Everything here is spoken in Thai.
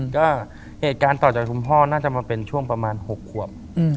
ก็เหตุการณ์ต่อจากคุณพ่อน่าจะมาเป็นช่วงประมาณ๖ขวบ